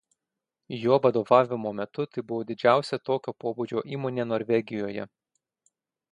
Jo vadovavimo metu tai buvo didžiausia tokio pobūdžio įmonė Norvegijoje.